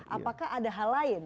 apakah ada hal lain